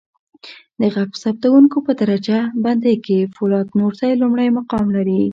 د ږغ ثبتکوونکو په درجه بندی کې فولاد نورزی لمړی مقام لري.